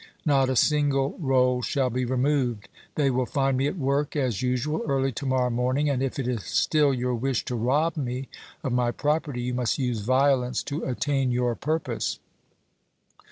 Not a single roll shall be removed! They will find me at work as usual early to morrow morning, and if it is still your wish to rob me of my property you must use violence to attain your purpose."